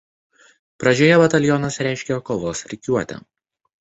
Pradžioje batalionas reiškė kovos rikiuotę.